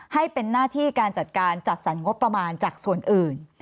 ให้เป็นหน้าที่การจัดการจัดสรรงบประมาณจากส่วนอื่น